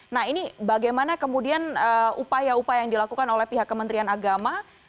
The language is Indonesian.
nah ini bagaimana kemudian upaya upaya yang dilakukan oleh pihak kementerian agama